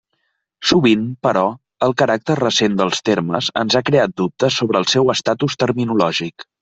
Sovint, però, el caràcter recent dels termes ens ha creat dubtes sobre el seu estatus terminològic.